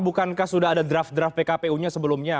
bukankah sudah ada draft draft pkpu nya sebelumnya